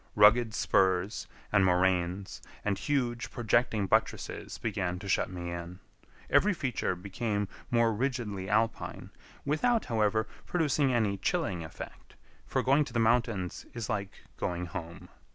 Rugged spurs, and moraines, and huge, projecting buttresses began to shut me in. Every feature became more rigidly alpine, without, however, producing any chilling effect; for going to the mountains is like going home.